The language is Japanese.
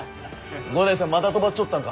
五代さんまた泊まっちょったんか。